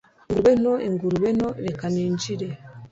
ingurube nto, ingurube nto, reka ninjire